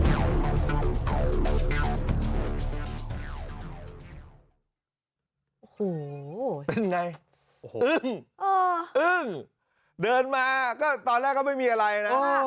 โอ้โหเป็นไงโอ้โหอึ้งอึ้งเดินมาก็ตอนแรกก็ไม่มีอะไรนะ